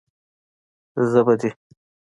زه به دې.